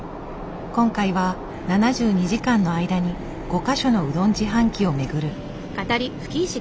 今回は７２時間の間に５か所のうどん自販機を巡る。